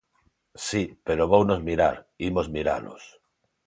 Si, pero vounos mirar; imos miralos.